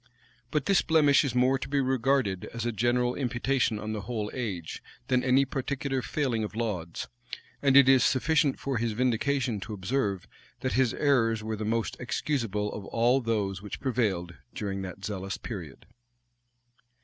But this blemish is more to be regarded as a general imputation on the whole age, than any particular failing of Laud's; and it is sufficient for his vindication to observe, that his errors were the most excusable of all those which prevailed during that zealous period.